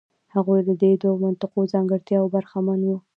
هغوی له دې دوو منطقي ځانګړتیاوو برخمن وو.